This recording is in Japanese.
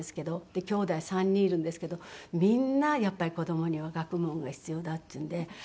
できょうだい３人いるんですけどみんなやっぱり子供には学問が必要だっていうので。